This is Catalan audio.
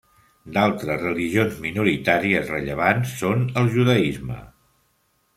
D'altres religions minoritàries rellevants són el judaisme.